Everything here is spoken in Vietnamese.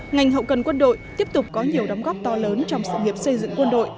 ngành hậu cần quân đội tiếp tục có nhiều đóng góp to lớn trong sự nghiệp xây dựng quân đội